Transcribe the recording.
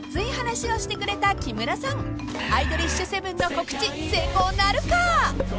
［『アイドリッシュセブン』の告知成功なるか？］